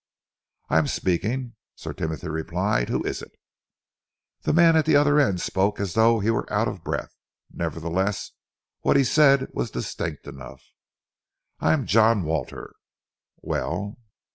"I am speaking," Sir Timothy replied. "Who is it?" The man at the other end spoke as though he were out of breath. Nevertheless, what he said was distinct enough. "I am John Walter." "Well?"